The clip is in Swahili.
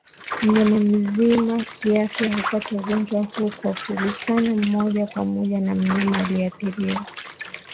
Mnyama mzima kiafya hupata ugonjwa huu kwa kugusana moja kwa moja na mnyama aliyeathiriwa